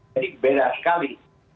jadi beda sekali